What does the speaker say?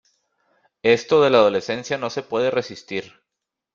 Esto de la adolescencia no se puede resistir.